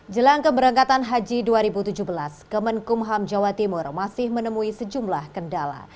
jelang keberangkatan haji dua ribu tujuh belas kemenkumham jawa timur masih menemui sejumlah kendala